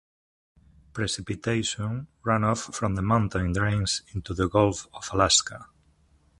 Precipitation runoff from the mountain drains into the Gulf of Alaska.